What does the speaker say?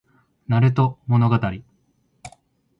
なると物語